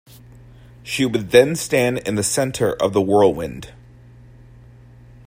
She would then stand in the centre of the whirlwind.